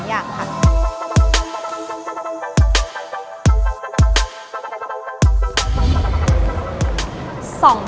๒อย่างค่ะ